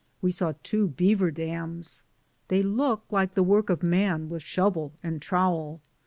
We saw two beaver dams; they look like the work of man with shovel and trowel.